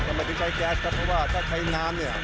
ไม่ได้ใช้แก๊สครับเพราะว่าถ้าใช้น้ำเนี่ย